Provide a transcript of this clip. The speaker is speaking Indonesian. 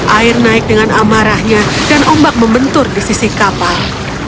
air naik dengan amarahnya dan ombak membentur di sisi kapal